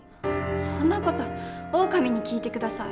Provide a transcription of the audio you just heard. そんな事オオカミに聞いて下さい。